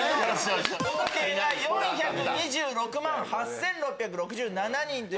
合計が４２６万８６６７人。